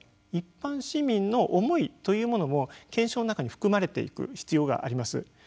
一般市民の思いというものも検証の中に含まれていく必要があります。